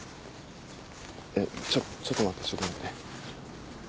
えっちょちょっと待ってちょっと待って。